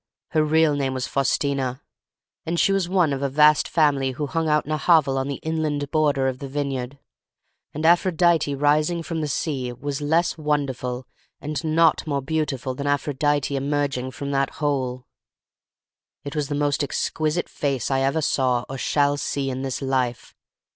"Her real name was Faustina, and she was one of a vast family who hung out in a hovel on the inland border of the vineyard. And Aphrodite rising from the sea was less wonderful and not more beautiful than Aphrodite emerging from that hole! "It was the most exquisite face I ever saw or shall see in this life.